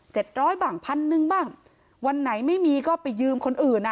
ร้อยบ้างพันหนึ่งบ้างวันไหนไม่มีก็ไปยืมคนอื่นอ่ะ